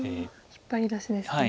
引っ張り出しですね。